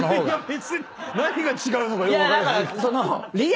何が違うのかよく分かりません。